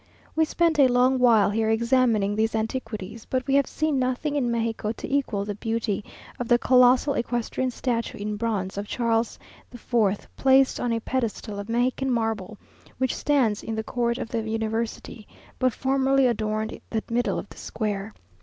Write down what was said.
We spent a long while here examining these antiquities; but we have seen nothing in Mexico to equal the beauty of the colossal equestrian statue in bronze of Charles IV, placed on a pedestal of Mexican marble, which stands in the court of the University, but formerly adorned the middle of the square.